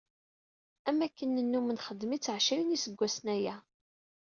Am wakken nennum nxeddem-itt εecrin n yiseggasen aya.